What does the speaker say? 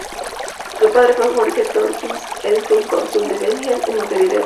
Su padre fue Jorge Tornquist Elkins, cónsul de Bremen en Montevideo.